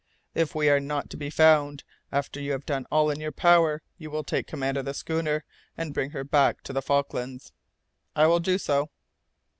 "If we are not to be found, after you have done all in your power, you will take command of the schooner, and bring her back to the Falklands." "I will do so."